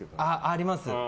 あります。